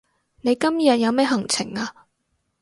你今日有咩行程啊